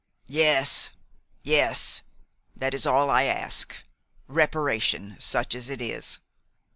"Yes, yes that is all I ask reparation, such as it is.